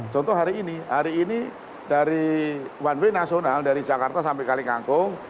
contoh hari ini hari ini dari one way nasional dari jakarta sampai kali kangkung